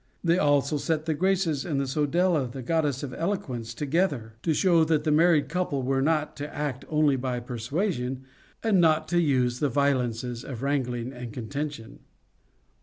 They also set the Graces and Suadela, the Goddess of Eloquence, to gether, to show that the married couple were to act only by persuasion, and not to use the violences of wrangling and contention.